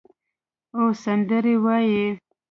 او سندرې وایې